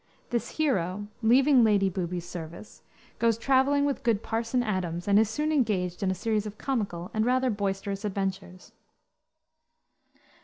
This hero, leaving Lady Booby's service, goes traveling with good Parson Adams, and is soon engaged in a series of comical and rather boisterous adventures.